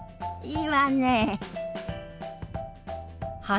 いいわね。